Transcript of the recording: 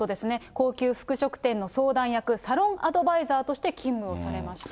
高級服飾店の相談役、サロン・アドバイザーとして勤務をされました。